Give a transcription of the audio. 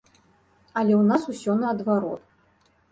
Але ў нас усё наадварот.